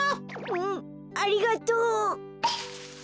うんありがとう！